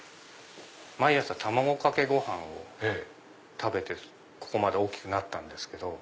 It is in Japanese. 毎朝卵かけご飯を食べてここまで大きくなったんです。